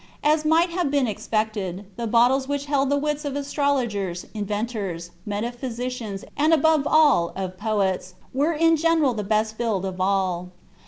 As might have been expected, the bottles which held the wits of astrologers, inventors, metaphysicians, and above all, of poets, were in general the best filled of all.